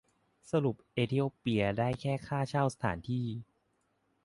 สรุปเอธิโอเปียได้แค่ค่าเช่าสถานที่